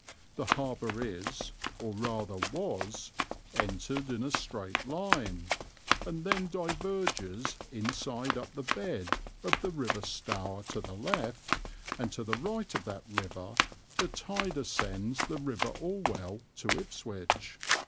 The harbour is, or rather was, entered in a straight line, and then diverges inside up the bed of the River Stour to the left, and to the right of that river the tide ascends the River Orwell to Ipswich.